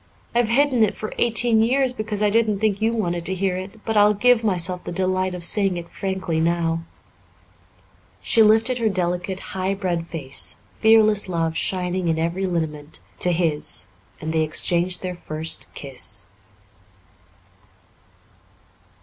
I've hidden it for eighteen years because I didn't think you wanted to hear it, but I'll give myself the delight of saying it frankly now." She lifted her delicate, high bred face, fearless love shining in every lineament, to his, and they exchanged their first kiss.